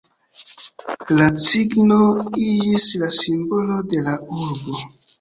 La cigno iĝis la simbolo de la urbo.